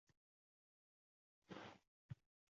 U xuddi shunday — daf’atan tinchiguniga qaradi.